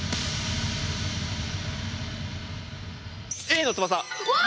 Ａの翼！わ！